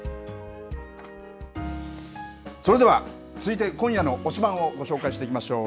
それでは、続いて今夜の推しバン！をご紹介していきましょう。